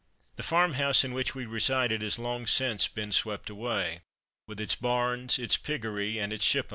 The farm house in which we resided has long since been swept away, with its barns, its piggery, and its shippon.